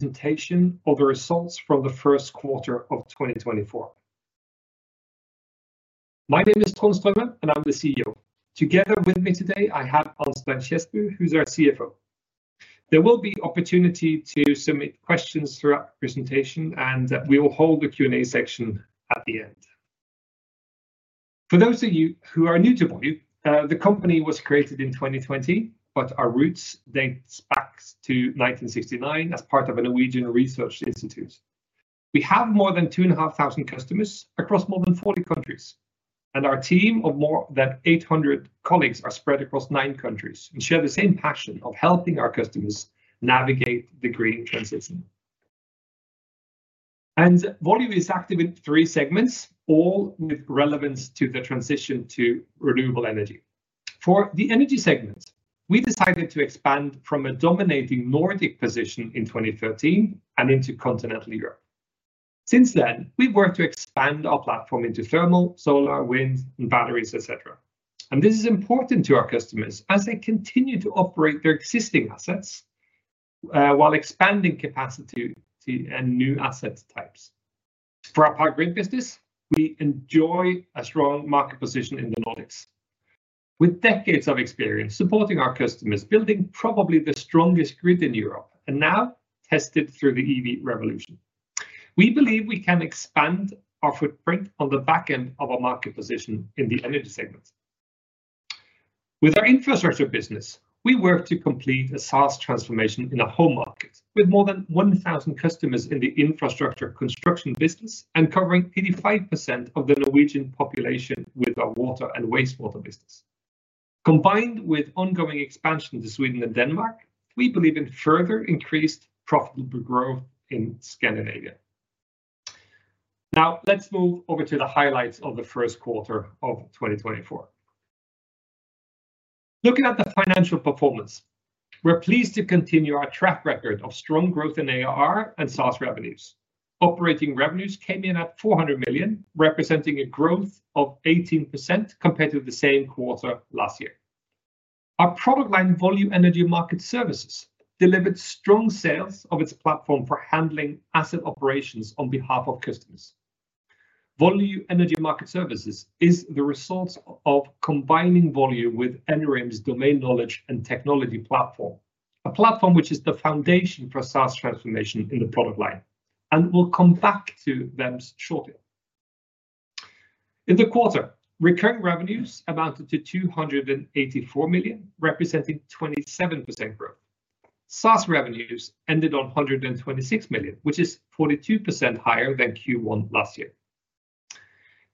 Presentation of the results from the first quarter of 2024. My name is Trond Straume, and I'm the CEO. Together with me today, I have Arnstein Kjesbu, who's our CFO. There will be opportunity to submit questions throughout the presentation, and we will hold the Q&A section at the end. For those of you who are new to Volue, the company was created in 2020, but our roots date back to 1969 as part of a Norwegian research institute. We have more than 2,500 customers across more than 40 countries, and our team of more than 800 colleagues are spread across nine countries and share the same passion of helping our customers navigate the green transition. And Volue is active in three segments, all with relevance to the transition to renewable energy. For the energy segment, we decided to expand from a dominating Nordic position in 2013 and into Continental Europe. Since then, we've worked to expand our platform into thermal, solar, wind, and batteries, etc. This is important to our customers as they continue to operate their existing assets while expanding capacity to new asset types. For our Power Grid business, we enjoy a strong market position in the Nordics. With decades of experience supporting our customers, building probably the strongest grid in Europe and now tested through the EV revolution, we believe we can expand our footprint on the back end of our market position in the energy segment. With our infrastructure business, we work to complete a SaaS transformation in a home market with more than 1,000 customers in the infrastructure construction business and covering 85% of the Norwegian population with our water and wastewater business. Combined with ongoing expansion to Sweden and Denmark, we believe in further increased profitable growth in Scandinavia. Now, let's move over to the highlights of the first quarter of 2024. Looking at the financial performance, we're pleased to continue our track record of strong growth in ARR and SaaS revenues. Operating revenues came in at 400 million, representing a growth of 18% compared to the same quarter last year. Our product line, Volue Energy Market Services, delivered strong sales of its platform for handling asset operations on behalf of customers. Volue Energy Market Services is the result of combining Volue with Enerim domain knowledge and technology platform, a platform which is the foundation for SaaS transformation in the product line, and we'll come back to them shortly. In the quarter, recurring revenues amounted to 284 million, representing 27% growth. SaaS revenues ended on 126 million, which is 42% higher than Q1 last year.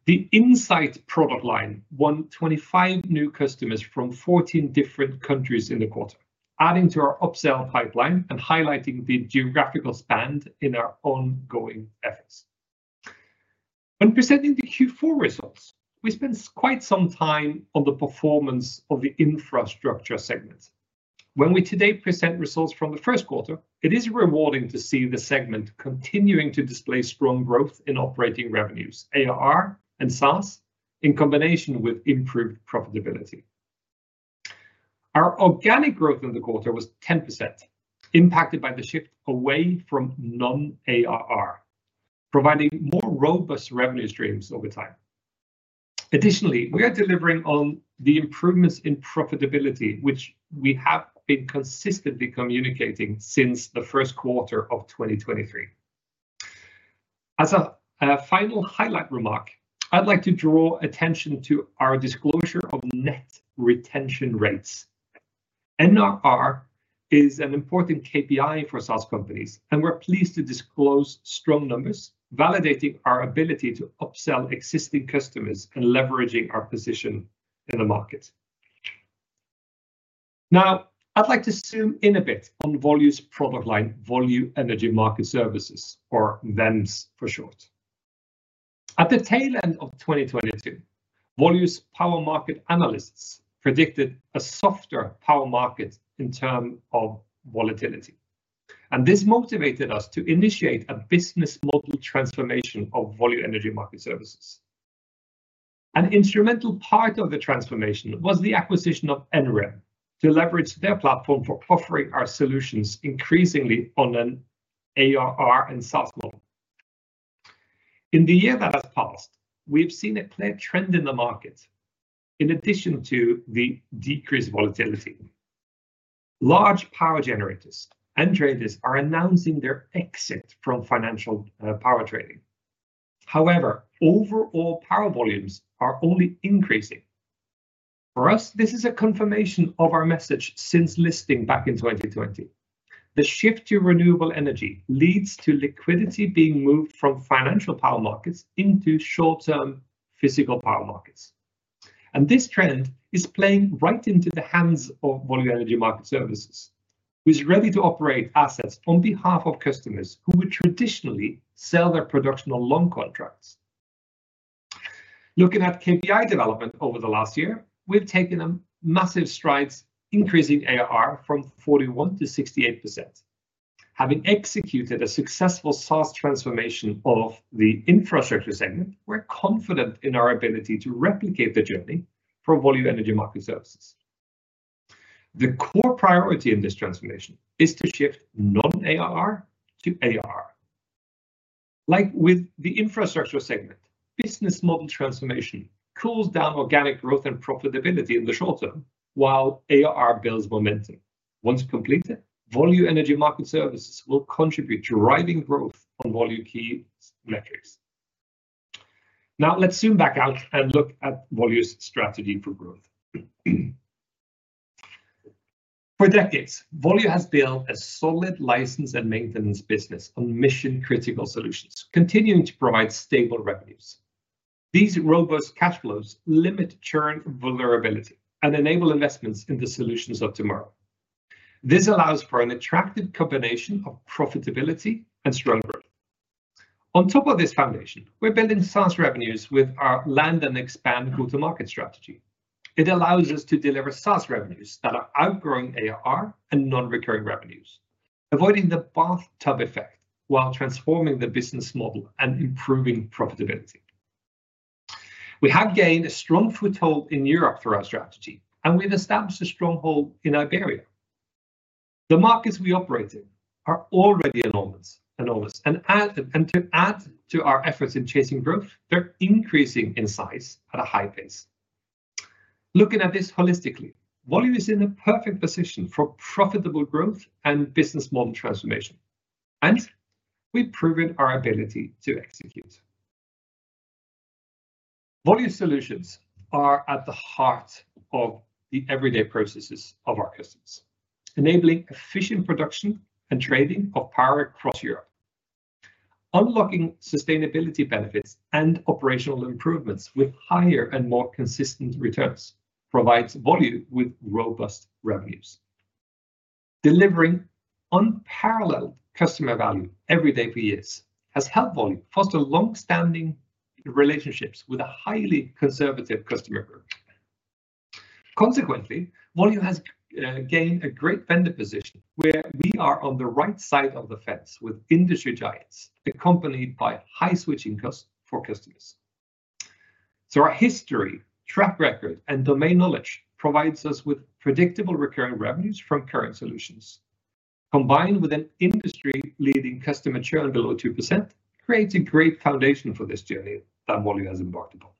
The Insight product line won 25 new customers from 14 different countries in the quarter, adding to our upsell pipeline and highlighting the geographical span in our ongoing efforts. When presenting the Q4 results, we spent quite some time on the performance of the infrastructure segment. When we today present results from the first quarter, it is rewarding to see the segment continuing to display strong growth in operating revenues, ARR, and SaaS, in combination with improved profitability. Our organic growth in the quarter was 10%, impacted by the shift away from non-ARR, providing more robust revenue streams over time. Additionally, we are delivering on the improvements in profitability, which we have been consistently communicating since the first quarter of 2023. As a final highlight remark, I'd like to draw attention to our disclosure of net retention rates. NRR is an important KPI for SaaS companies, and we're pleased to disclose strong numbers validating our ability to upsell existing customers and leveraging our position in the market. Now, I'd like to zoom in a bit on Volue's product line, Volue Energy Market Services, or VEMS for short. At the tail end of 2022, Volue's power market analysts predicted a softer power market in terms of volatility, and this motivated us to initiate a business model transformation of Volue Energy Market Services. An instrumental part of the transformation was the acquisition of NRM to leverage their platform for offering our solutions increasingly on an ARR and SaaS model. In the year that has passed, we've seen a clear trend in the market in addition to the decreased volatility. Large power generators and traders are announcing their exit from financial power trading. However, overall power volumes are only increasing. For us, this is a confirmation of our message since listing back in 2020. The shift to renewable energy leads to liquidity being moved from financial power markets into short-term physical power markets. This trend is playing right into the hands of Volue Energy Market Services, who is ready to operate assets on behalf of customers who would traditionally sell their production on long contracts. Looking at KPI development over the last year, we've taken massive strides, increasing ARR from 41%-68%. Having executed a successful SaaS transformation of the infrastructure segment, we're confident in our ability to replicate the journey for Volue Energy Market Services. The core priority in this transformation is to shift non-ARR to ARR. Like with the infrastructure segment, business model transformation cools down organic growth and profitability in the short term while ARR builds momentum. Once completed, Volue Energy Market Services will contribute to driving growth on Volue key metrics. Now, let's zoom back out and look at Volue's strategy for growth. For decades, Volue has built a solid license and maintenance business on mission-critical solutions, continuing to provide stable revenues. These robust cash flows limit churn vulnerability and enable investments in the solutions of tomorrow. This allows for an attractive combination of profitability and strong growth. On top of this foundation, we're building SaaS revenues with our land and expand go-to-market strategy. It allows us to deliver SaaS revenues that are outgrowing ARR and non-recurring revenues, avoiding the bathtub effect while transforming the business model and improving profitability. We have gained a strong foothold in Europe for our strategy, and we've established a stronghold in Iberia. The markets we operate in are already enormous, and to add to our efforts in chasing growth, they're increasing in size at a high pace. Looking at this holistically, Volue is in a perfect position for profitable growth and business model transformation, and we've proven our ability to execute. Volue solutions are at the heart of the everyday processes of our customers, enabling efficient production and trading of power across Europe. Unlocking sustainability benefits and operational improvements with higher and more consistent returns provides Volue with robust revenues. Delivering unparalleled customer value every day for years has helped Volue foster longstanding relationships with a highly conservative customer group. Consequently, Volue has gained a great vendor position where we are on the right side of the fence with industry giants accompanied by high switching costs for customers. So our history, track record, and domain knowledge provides us with predictable recurring revenues from current solutions. Combined with an industry-leading customer churn below 2% creates a great foundation for this journey that Volue has embarked upon.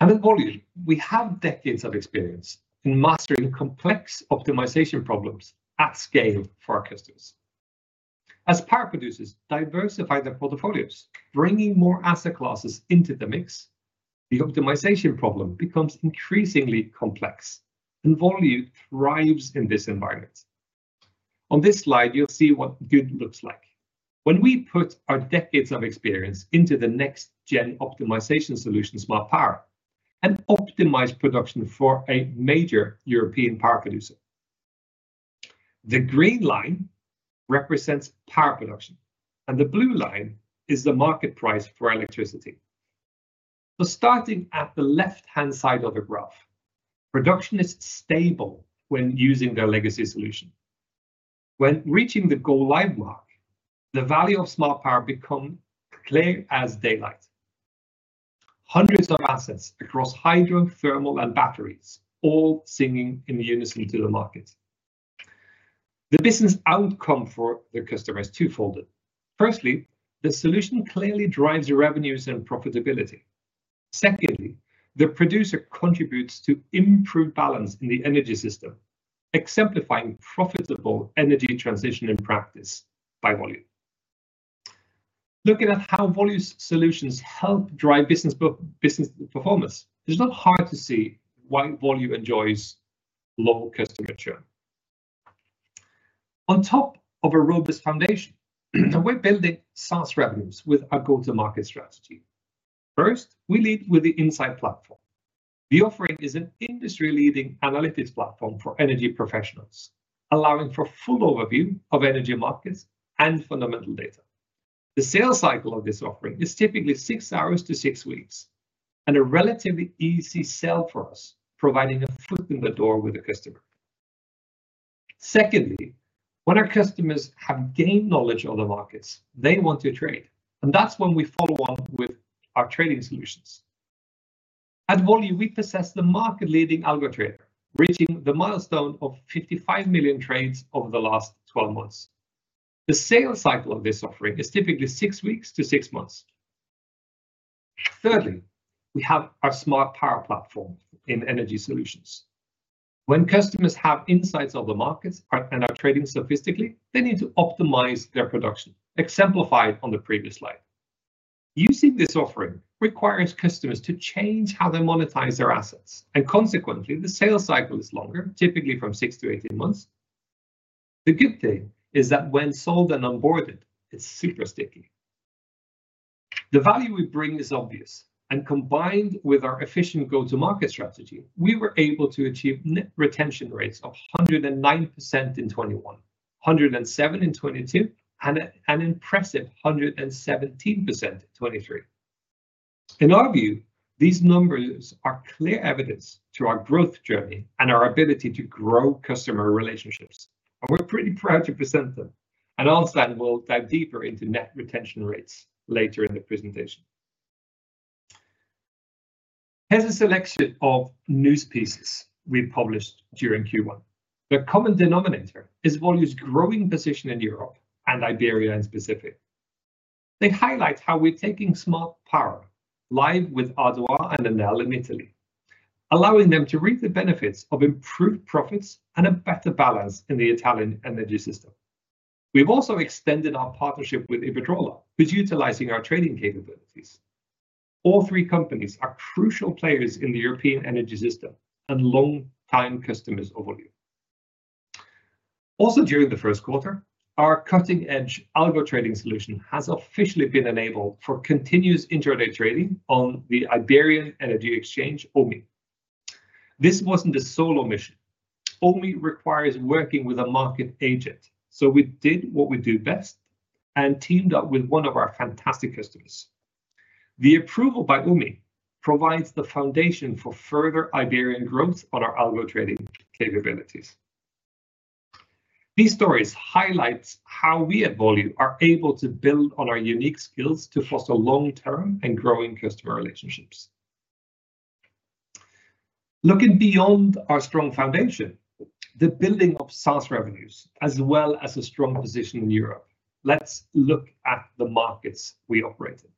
And at Volue, we have decades of experience in mastering complex optimization problems at scale for our customers. As power producers diversify their portfolios, bringing more asset classes into the mix, the optimization problem becomes increasingly complex, and Volue thrives in this environment. On this slide, you'll see what good looks like when we put our decades of experience into the next-gen optimization solution, Smart Power, and optimize production for a major European power producer. The green line represents power production, and the blue line is the market price for electricity. So starting at the left-hand side of the graph, production is stable when using their legacy solution. When reaching the goal live mark, the value of Smart Power becomes clear as daylight: hundreds of assets across hydro, thermal, and batteries all singing in unison to the market. The business outcome for the customer is twofold. Firstly, the solution clearly drives your revenues and profitability. Secondly, the producer contributes to improved balance in the energy system, exemplifying profitable energy transition in practice by Volue. Looking at how Volue's solutions help drive business performance, it's not hard to see why Volue enjoys low customer churn. On top of a robust foundation, we're building SaaS revenues with our go-to-market strategy. First, we lead with the Insight platform. The offering is an industry-leading analytics platform for energy professionals, allowing for full overview of energy markets and fundamental data. The sales cycle of this offering is typically 6 hours to 6 weeks and a relatively easy sell for us, providing a foot in the door with a customer. Secondly, when our customers have gained knowledge of the markets, they want to trade, and that's when we follow on with our trading solutions. At Volue, we possess the market-leading Algo Trader, reaching the milestone of 55 million trades over the last 12 months. The sales cycle of this offering is typically 6 weeks to 6 months. Thirdly, we have our Smart Power platform in energy solutions. When customers have insights of the markets and are trading sophisticatedly, they need to optimize their production, exemplified on the previous slide. Using this offering requires customers to change how they monetize their assets, and consequently, the sales cycle is longer, typically from 6 to 18 months. The good thing is that when sold and onboarded, it's super sticky. The value we bring is obvious, and combined with our efficient go-to-market strategy, we were able to achieve net retention rates of 109% in 2021, 107% in 2022, and an impressive 117% in 2023. In our view, these numbers are clear evidence to our growth journey and our ability to grow customer relationships, and we're pretty proud to present them. And Arnstein will dive deeper into net retention rates later in the presentation. Here's a selection of news pieces we published during Q1. The common denominator is Volue's growing position in Europe, Iberia, and Pacific. They highlight how we're taking Smart Power live with A2A and Enel in Italy, allowing them to reap the benefits of improved profits and a better balance in the Italian energy system. We've also extended our partnership with Iberdrola, who's utilizing our trading capabilities. All three companies are crucial players in the European energy system and long-time customers of Volue. Also, during the first quarter, our cutting-edge algo trading solution has officially been enabled for continuous intraday trading on the Iberian energy exchange, OMIE. This wasn't a solo mission. OMIE requires working with a market agent, so we did what we do best and teamed up with one of our fantastic customers. The approval by OMIE provides the foundation for further Iberian growth on our algo trading capabilities. These stories highlight how we at Volue are able to build on our unique skills to foster long-term and growing customer relationships. Looking beyond our strong foundation, the building of SaaS revenues, as well as a strong position in Europe, let's look at the markets we operate in.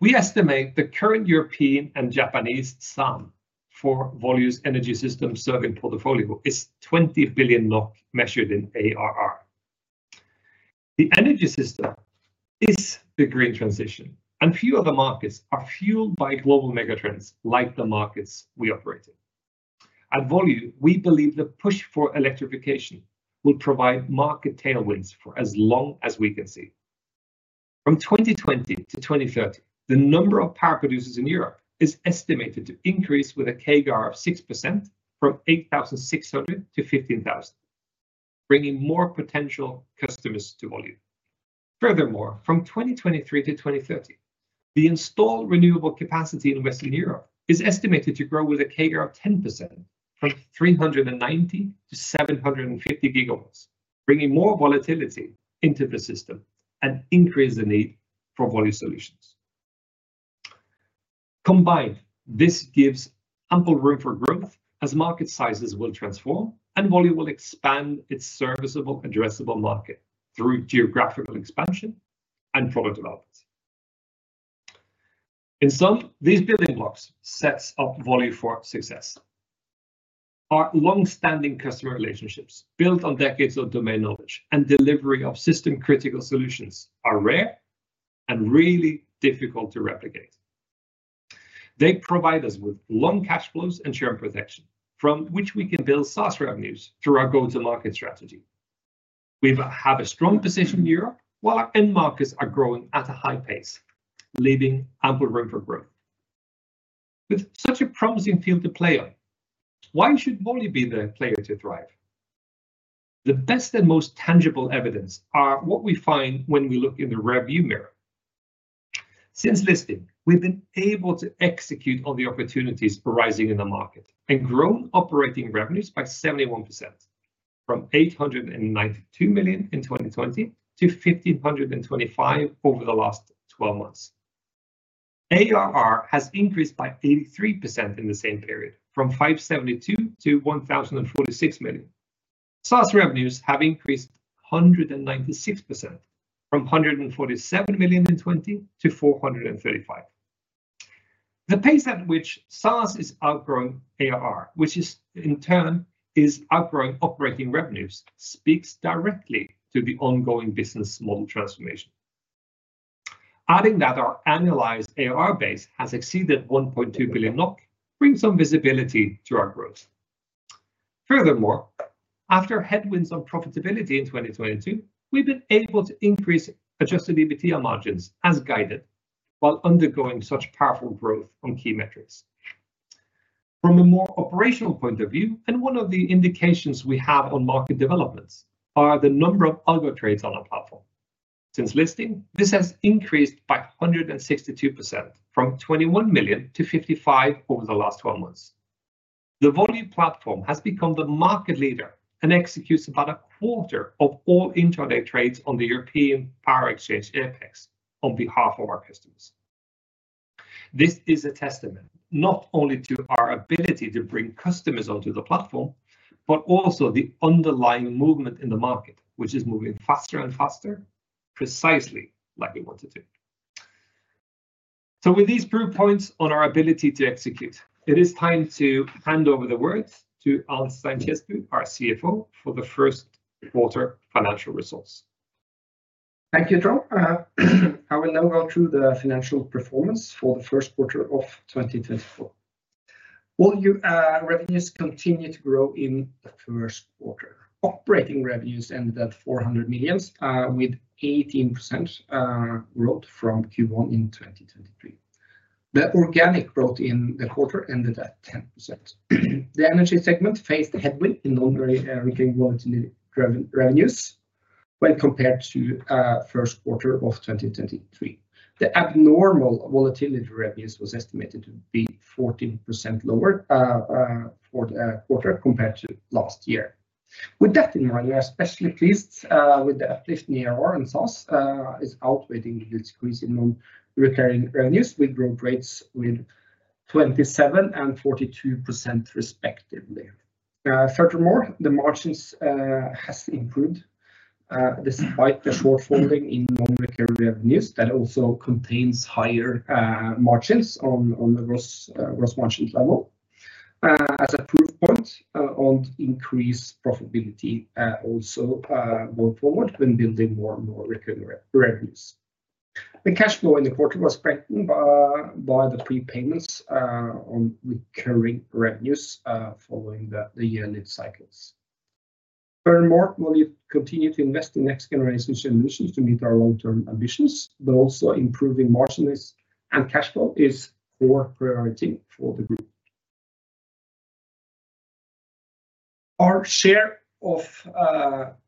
We estimate the current European and Japanese SAM for Volue's energy system serving portfolio is 20 billion measured in ARR. The energy system is the green transition, and few other markets are fueled by global megatrends like the markets we operate in. At Volue, we believe the push for electrification will provide market tailwinds for as long as we can see. From 2020 to 2030, the number of power producers in Europe is estimated to increase with a CAGR of 6% from 8,600 to 15,000, bringing more potential customers to Volue. Furthermore, from 2023 to 2030, the installed renewable capacity in Western Europe is estimated to grow with a CAGR of 10% from 390-750 GW, bringing more volatility into the system and increasing the need for Volue solutions. Combined, this gives ample room for growth as market sizes will transform and Volue will expand its serviceable, addressable market through geographical expansion and product development. In sum, these building blocks set up Volue for success. Our longstanding customer relationships built on decades of domain knowledge and delivery of system-critical solutions are rare and really difficult to replicate. They provide us with long cash flows and churn protection, from which we can build SaaS revenues through our go-to-market strategy. We have a strong position in Europe while our end markets are growing at a high pace, leaving ample room for growth. With such a promising field to play on, why should Volue be the player to thrive? The best and most tangible evidence are what we find when we look in the rearview mirror. Since listing, we've been able to execute on the opportunities arising in the market and grown operating revenues by 71% from 892 million in 2020 to 1,525 million over the last 12 months. ARR has increased by 83% in the same period, from 572 million to 1,046 million. SaaS revenues have increased 196% from 147 million in 2020 to 435 million. The pace at which SaaS is outgrowing ARR, which in turn is outgrowing operating revenues, speaks directly to the ongoing business model transformation. Adding that our annualized ARR base has exceeded 1.2 billion NOK brings some visibility to our growth. Furthermore, after headwinds on profitability in 2022, we've been able to increase Adjusted EBITDA margins as guided while undergoing such powerful growth on key metrics. From a more operational point of view, one of the indications we have on market developments are the number of algo trades on our platform. Since listing, this has increased by 162% from 21 million to 55 million over the last 12 months. The Volue platform has become the market leader and executes about a quarter of all intraday trades on the European power exchange EPEX SPOT on behalf of our customers. This is a testament not only to our ability to bring customers onto the platform, but also the underlying movement in the market, which is moving faster and faster precisely like we want it to. So with these proof points on our ability to execute, it is time to hand over the words to Arnstein Kjesbu, our CFO, for the first quarter financial results. Thank you, Trond. I will now go through the financial performance for the first quarter of 2024. Volue revenues continue to grow in the first quarter. Operating revenues ended at 400 million with 18% growth from Q1 in 2023. The organic growth in the quarter ended at 10%. The energy segment faced headwind in non-recurring volatility revenues when compared to the first quarter of 2023. The abnormal volatility revenues were estimated to be 14% lower for the quarter compared to last year. With that in mind, we are especially pleased with the uplift in ARR and SaaS is outweighing the decrease in non-recurring revenues. We grow rates with 27% and 42% respectively. Furthermore, the margins have improved despite the shortfalling in non-recurring revenues that also contains higher margins on the gross margin level. As a proof point on increased profitability also going forward when building more and more recurring revenues, the cash flow in the quarter was strengthened by the prepayments on recurring revenues following the yearly cycles. Furthermore, Volue continues to invest in next-generation solutions to meet our long-term ambitions, but also improving margins and cash flow is core priority for the group. Our share of ARR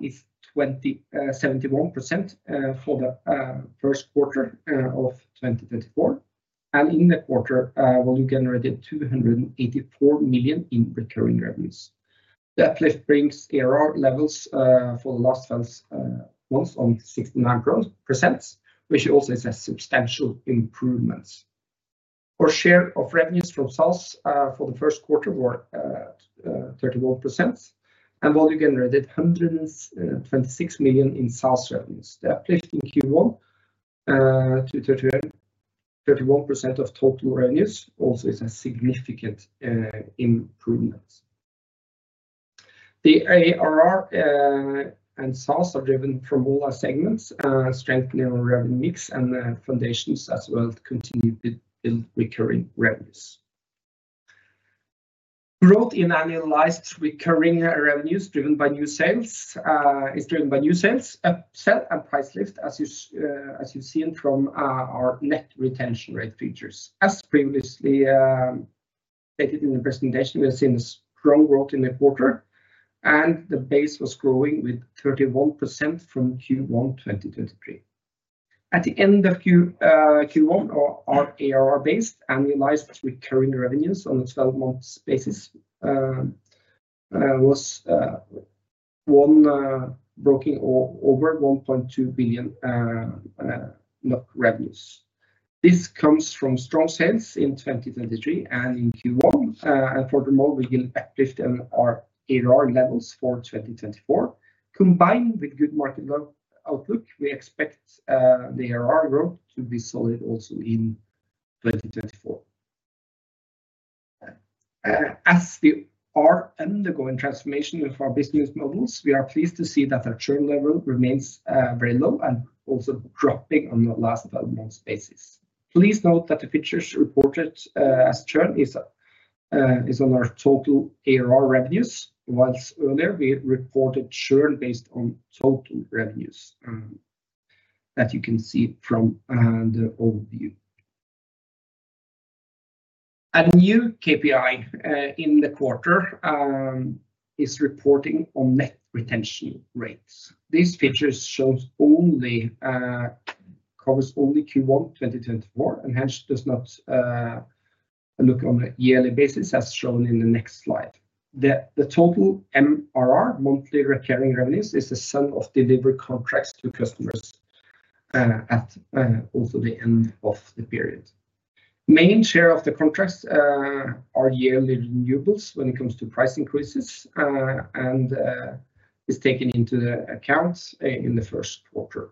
is 71% for the first quarter of 2024, and in the quarter, Volue generated 284 million in recurring revenues. The uplift brings ARR levels for the last 12 months on 69%, which also is a substantial improvement. Our share of revenues from SaaS for the first quarter were 31%, and Volue generated 126 million in SaaS revenues. The uplift in Q1 to 31% of total revenues also is a significant improvement. The ARR and SaaS are driven from all our segments, strengthening our revenue mix and foundations, as well as continuing to build recurring revenues. Growth in annualized recurring revenues driven by new sales is driven by new sales, upsell, and price lift, as you've seen from our net retention rate features. As previously stated in the presentation, we have seen a strong growth in the quarter, and the base was growing with 31% from Q1 2023. At the end of Q1, our ARR-based annualized recurring revenues on a 12-month basis were bringing over 1.2 billion revenues. This comes from strong sales in 2023 and in Q1. Furthermore, we gained uplift in our ARR levels for 2024. Combined with good market outlook, we expect the ARR growth to be solid also in 2024. As we are undergoing transformation of our business models, we are pleased to see that our churn level remains very low and also dropping on the last 12-month basis. Please note that the features reported as churn is on our total ARR revenues, while earlier we reported churn based on total revenues that you can see from the overview. A new KPI in the quarter is reporting on net retention rates. These features covers only Q1 2024 and hence does not look on a yearly basis as shown in the next slide. The total MRR, monthly recurring revenues, is the sum of delivered contracts to customers at also the end of the period. The main share of the contracts are yearly renewables when it comes to price increases and is taken into account in the first quarter.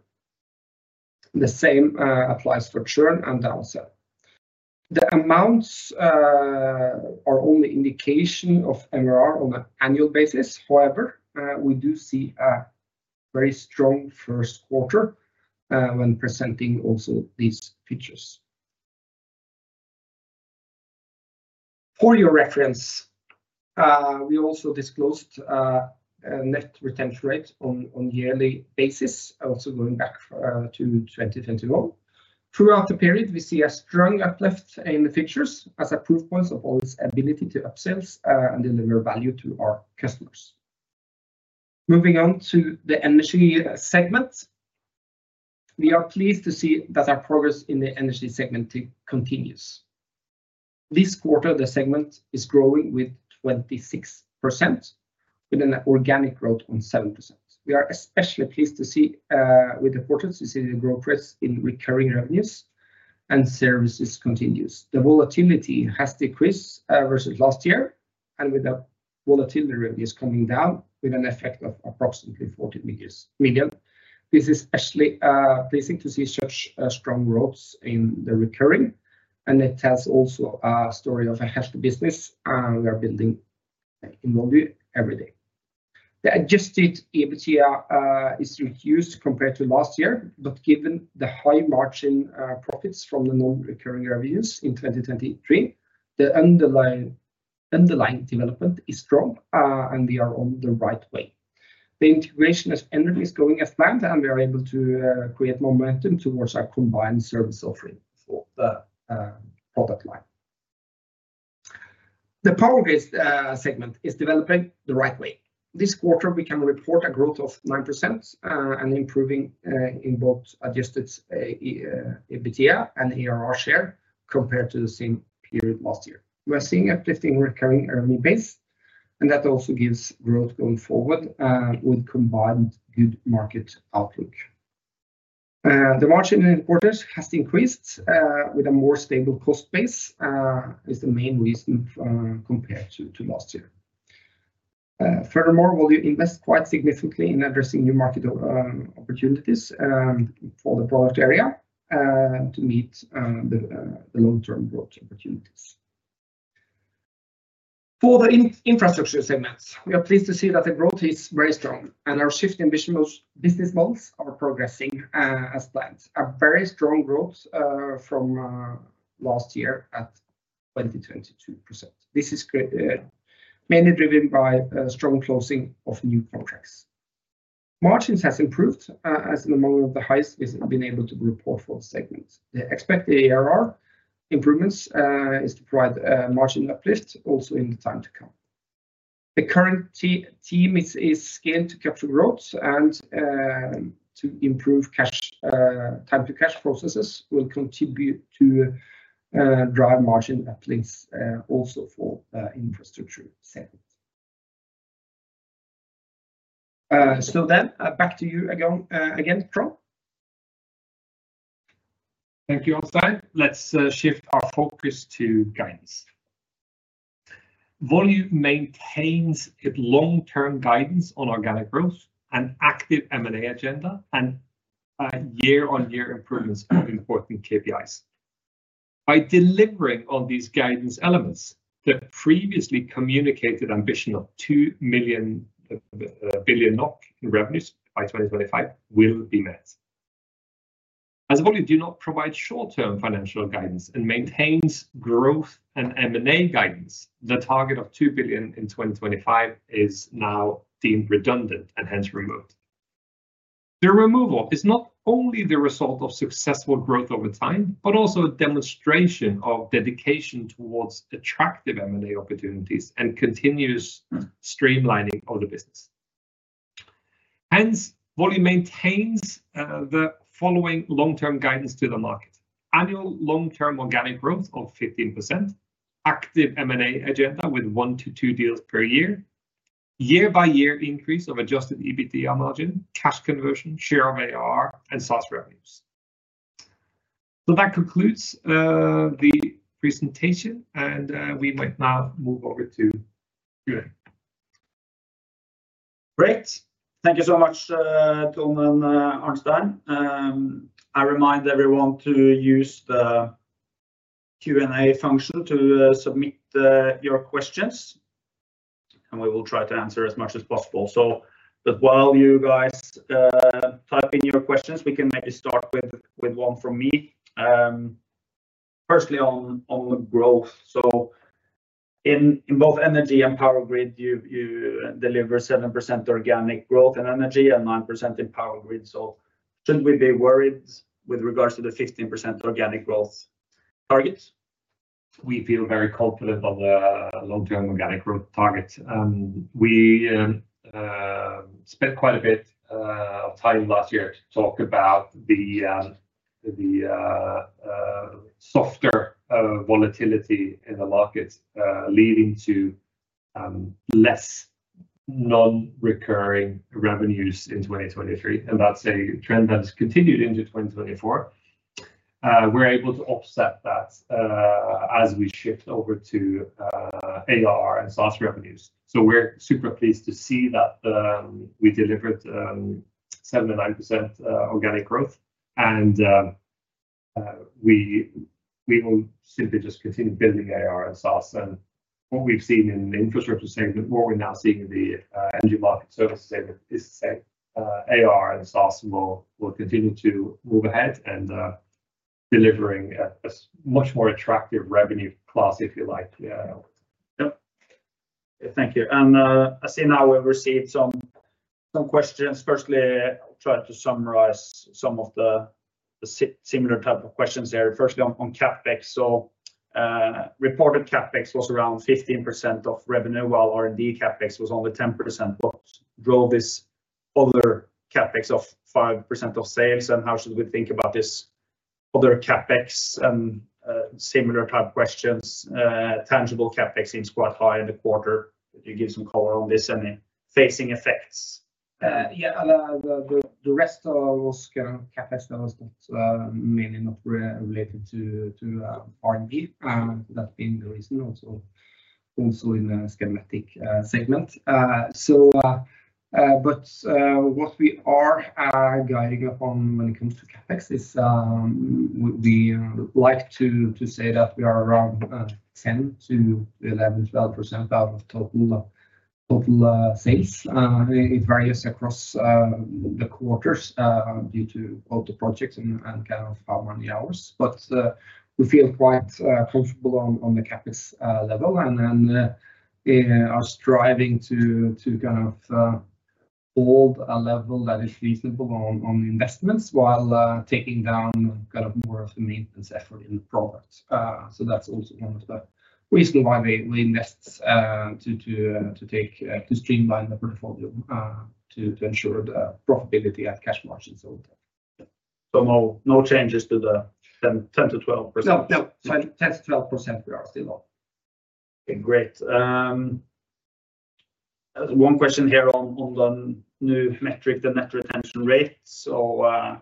The same applies for churn and downsell. The amounts are only an indication of MRR on an annual basis. However, we do see a very strong first quarter when presenting also these features. For your reference, we also disclosed a net retention rate on a yearly basis, also going back to 2021. Throughout the period, we see a strong uplift in the features as a proof point of Volue's ability to upsell and deliver value to our customers. Moving on to the energy segment, we are pleased to see that our progress in the energy segment continues. This quarter, the segment is growing with 26% with an organic growth on 7%. We are especially pleased to see with the quarters we see the growth rates in recurring revenues and services continues. The volatility has decreased versus last year, and with the volatility revenues coming down with an effect of approximately 40 million. This is especially pleasing to see such strong growths in the recurring, and it tells also a story of a healthy business we are building in Volue every day. The adjusted EBITDA is reduced compared to last year, but given the high margin profits from the non-recurring revenues in 2023, the underlying development is strong, and we are on the right way. The integration of Enerim is going as planned, and we are able to create momentum towards our combined service offering for the product line. The power-based segment is developing the right way. This quarter, we can report a growth of 9% and improving in both adjusted EBITDA and ARR share compared to the same period last year. We are seeing an uplift in recurring revenue base, and that also gives growth going forward with combined good market outlook. The margin in quarters has increased with a more stable cost base, is the main reason compared to last year. Furthermore, Volue invests quite significantly in addressing new market opportunities for the product area to meet the long-term growth opportunities. For the infrastructure segments, we are pleased to see that the growth is very strong, and our shift in business models are progressing as planned. A very strong growth from last year at 20%. This is mainly driven by a strong closing of new contracts. Margins have improved as among the highest we have been able to report for the segment. The expected ARR improvements are to provide a margin uplift also in the time to come. The current team is scaled to capture growth and to improve time-to-cash processes will contribute to drive margin uplifts also for the infrastructure segment. So then back to you again, Trond. Thank you, Arnstein. Let's shift our focus to guidance. Volue maintains its long-term guidance on organic growth, an active M&A agenda, and year-on-year improvements of important KPIs. By delivering on these guidance elements, the previously communicated ambition of 2 billion NOK in revenues by 2025 will be met. As Volue does not provide short-term financial guidance and maintains growth and M&A guidance, the target of 2 billion in 2025 is now deemed redundant and hence removed. The removal is not only the result of successful growth over time, but also a demonstration of dedication towards attractive M&A opportunities and continuous streamlining of the business. Hence, Volue maintains the following long-term guidance to the market: annual long-term organic growth of 15%, active M&A agenda with one to two deals per year, year-by-year increase of adjusted EBITDA margin, cash conversion, share of ARR, and SaaS revenues. So that concludes the presentation, and we might now move over to Q&A. Great. Thank you so much, Trond and Arnstein. I remind everyone to use the Q&A function to submit your questions, and we will try to answer as much as possible. But while you guys type in your questions, we can maybe start with one from me, firstly on the growth. So in both energy and power grid, you deliver 7% organic growth in energy and 9% in power grid. So should we be worried with regards to the 15% organic growth targets? We feel very confident on the long-term organic growth target. We spent quite a bit of time last year to talk about the softer volatility in the market leading to less non-recurring revenues in 2023, and that's a trend that has continued into 2024. We're able to offset that as we shift over to ARR and SaaS revenues. So we're super pleased to see that we delivered 7% and 9% organic growth, and we will simply just continue building ARR and SaaS. And what we've seen in the infrastructure segment, what we're now seeing in the energy market services segment is the same. ARR and SaaS will continue to move ahead and deliver much more attractive revenue class, if you like. Yep. Thank you. And I see now we've received some questions. Firstly, I'll try to summarize some of the similar type of questions here. Firstly, on CapEx. So reported CapEx was around 15% of revenue while R&D CapEx was only 10%. What drove this other CapEx of 5% of sales, and how should we think about this other CapEx and similar type questions? Tangible CapEx seems quite high in the quarter. Could you give some color on this and the facing effects? Yeah, the rest of our scale CapEx levels are mainly not related to R&D. That's been the reason also in the Scanmatic segment. But what we are guiding upon when it comes to CapEx is we like to say that we are around 10%-12% out of total sales. It varies across the quarters due to both the projects and kind of how many hours. But we feel quite comfortable on the CapEx level, and are striving to kind of hold a level that is reasonable on investments while taking down kind of more of the maintenance effort in the product. So that's also one of the reasons why we invest to streamline the portfolio to ensure the profitability at cash margins and all that. No changes to the 10%-12%? No, no. 10%-12%, we are still on. Okay, great. One question here on the new metric, the net retention rate. So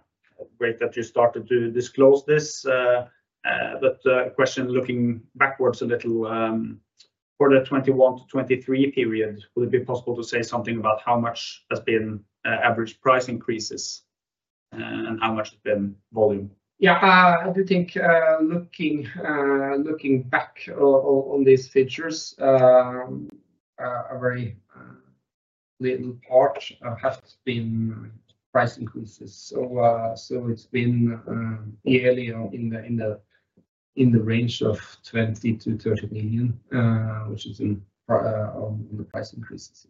great that you started to disclose this. But question looking backwards a little, for the 2021-2023 period, would it be possible to say something about how much has been average price increases and how much has been volume? Yeah, I do think looking back on these features, a very little part has been price increases. So it's been yearly in the range of 20 million-30 million, which is on the price increases.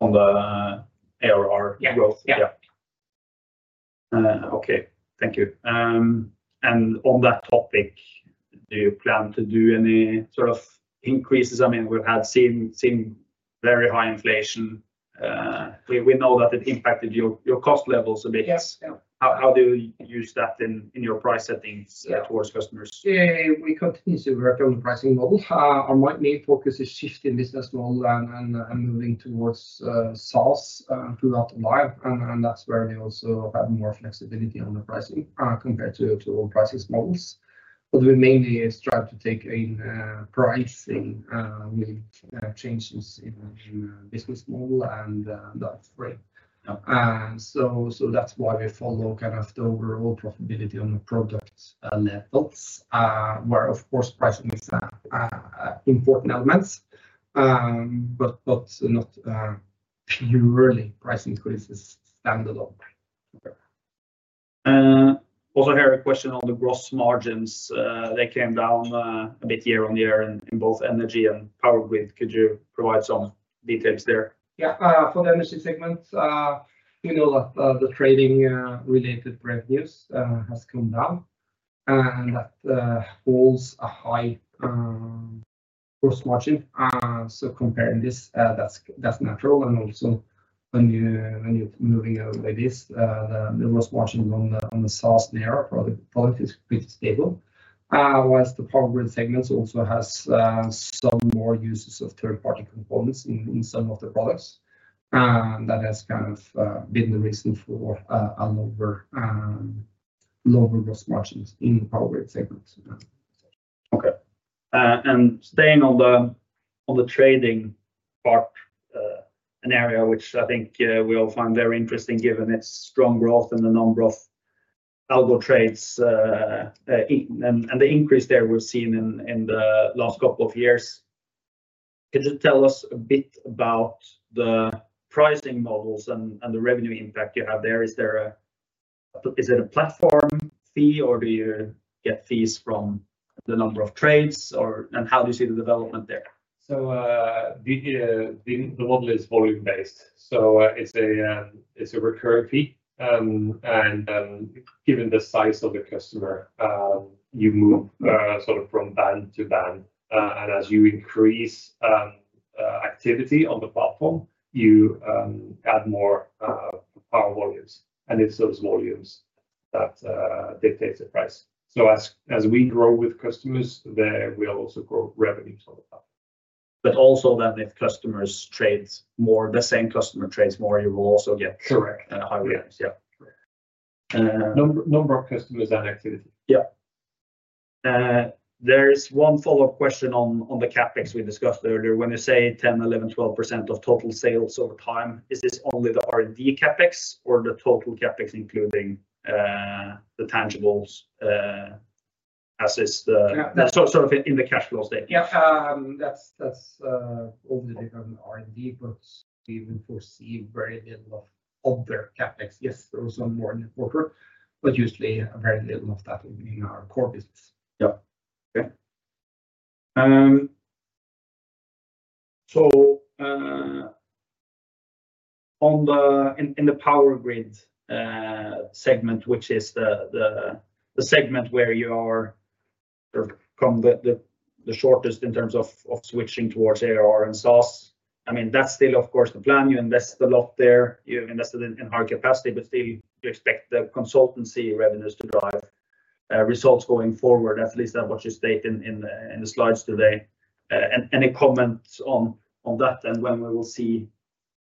On the ARR growth? Yeah. Okay, thank you. And on that topic, do you plan to do any sort of increases? I mean, we've had seen very high inflation. We know that it impacted your cost levels a bit. How do you use that in your price settings towards customers? Yeah, we continue to work on the pricing model. Our main focus is shifting business model and moving towards SaaS throughout the live, and that's where we also have more flexibility on the pricing compared to old pricing models. But we mainly strive to take in pricing with changes in business model, and that's free. So that's why we follow kind of the overall profitability on the product levels, where, of course, pricing is an important element, but not purely pricing increases standalone. Also hear a question on the gross margins. They came down a bit year-on-year in both energy and power grid. Could you provide some details there? Yeah, for the energy segment, we know that the trading-related revenues have come down, and that holds a high gross margin. So comparing this, that's natural, and also when you're moving away this, the gross margin on the SaaS narrow product is pretty stable. While the power grid segment also has some more uses of third-party components in some of the products, that has kind of been the reason for lower gross margins in the power grid segment. Okay. Staying on the trading part, an area which I think we all find very interesting given its strong growth and the non-growth algo trades, and the increase there we've seen in the last couple of years. Could you tell us a bit about the pricing models and the revenue impact you have there? Is it a platform fee, or do you get fees from the number of trades, and how do you see the development there? The model is volume-based. It's a recurring fee, and given the size of the customer, you move sort of from band to band. As you increase activity on the platform, you add more power volumes, and it's those volumes that dictate the price. As we grow with customers, we'll also grow revenues on the platform. But also then if customers trade more, the same customer trades more, you will also get higher revenues? Correct. Yeah. Number of customers and activity. Yeah. There is one follow-up question on the CapEx we discussed earlier. When you say 10, 11, 12% of total sales over time, is this only the R&D CapEx, or the total CapEx including the tangibles as is the sort of in the cash flow statement? Yeah, that's all the different R&D, but we even foresee very little of other CapEx. Yes, there was some more in the quarter, but usually very little of that in our core business. Yeah. Okay. So in the power grid segment, which is the segment where you are sort of come the shortest in terms of switching towards ARR and SaaS, I mean, that's still, of course, the plan. You invest a lot there. You invested in high capacity, but still you expect the consultancy revenues to drive results going forward, at least that's what you state in the slides today. Any comments on that and when we will see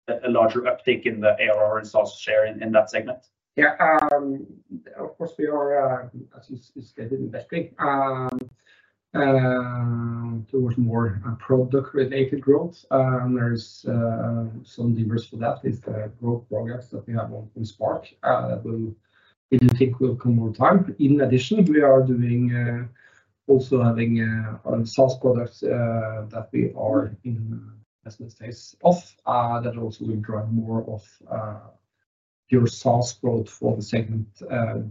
a larger uptick in the ARR and SaaS share in that segment? Yeah. Of course, we are, as you stated, investing towards more product-related growth. There is some diversity for that. It's the growth products that we have on Spark that we do think will come over time. In addition, we are also having SaaS products that we are in the business phase of that also will drive more of pure SaaS growth for the segment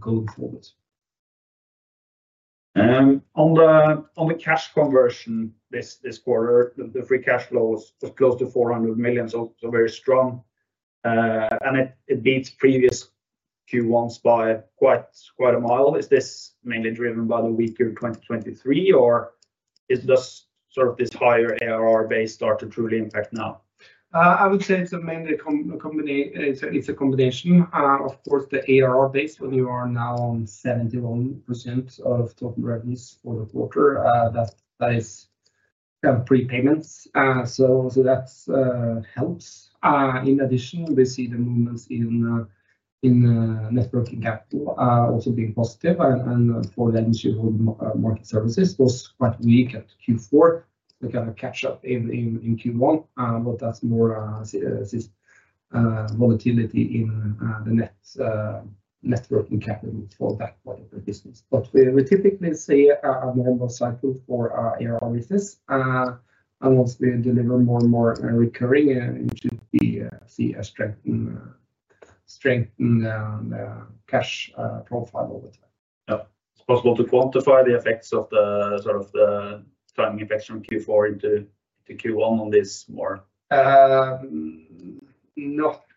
going forward. On the cash conversion this quarter, the free cash flow was close to 400 million, so very strong, and it beats previous Q1s by quite a mile. Is this mainly driven by the weaker 2023, or does sort of this higher ARR base start to truly impact now? I would say it's mainly a company. It's a combination. Of course, the ARR base, when you are now on 71% of total revenues for the quarter, that is kind of prepayments. So that helps. In addition, we see the movements in net working capital also being positive. And for the energy market services, it was quite weak at Q4 to kind of catch up in Q1, but that's more volatility in the net working capital for that part of the business. But we typically see a normal cycle for ARR business, and once we deliver more and more recurring, you should see a strengthened cash profile over time. Yeah. It's possible to quantify the effects of the sort of the timing effects from Q4 into Q1 on this more?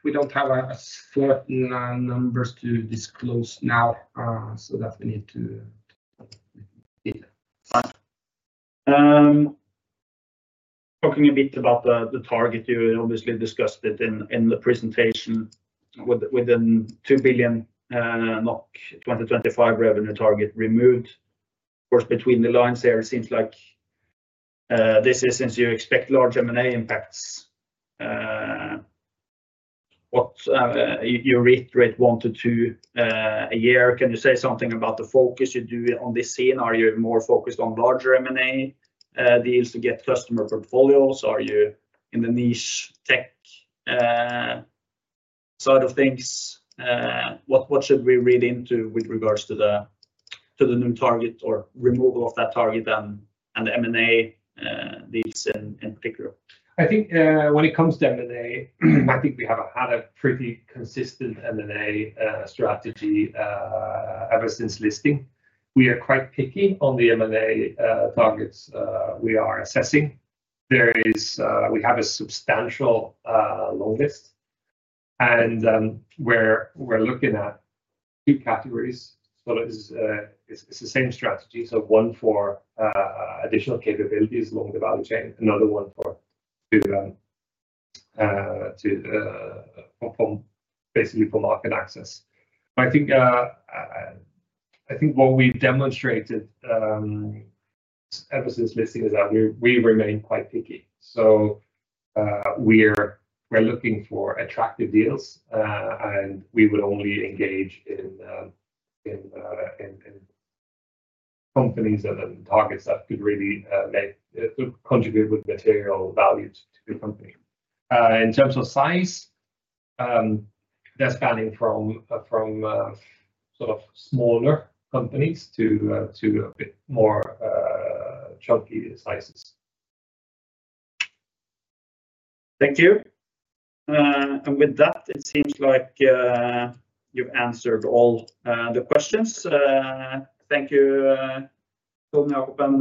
We don't have certain numbers to disclose now so that we need to. Fine. Talking a bit about the target, you obviously discussed it in the presentation within 2 billion NOK 2025 revenue target removed. Of course, between the lines here, it seems like this is since you expect large M&A impacts, what you reiterate 1-2 a year. Can you say something about the focus you do on this scene? Are you more focused on larger M&A deals to get customer portfolios? Are you in the niche tech side of things? What should we read into with regards to the new target or removal of that target and the M&A deals in particular? I think when it comes to M&A, I think we have had a pretty consistent M&A strategy ever since listing. We are quite picky on the M&A targets we are assessing. We have a substantial long list, and we're looking at two categories. So it's the same strategy. So one for additional capabilities along the value chain, another one basically for market access. I think what we've demonstrated ever since listing is that we remain quite picky. So we're looking for attractive deals, and we would only engage in companies and targets that could really contribute with material value to the company. In terms of size, that's spanning from sort of smaller companies to a bit more chunky sizes. Thank you. And with that, it seems like you've answered all the questions. Thank you, Tone Jakobsen,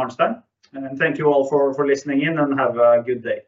Arnstein. And thank you all for listening in, and have a good day.